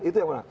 itu yang benar